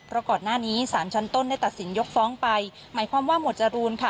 เพราะก่อนหน้านี้สารชั้นต้นได้ตัดสินยกฟ้องไปหมายความว่าหมวดจรูนค่ะ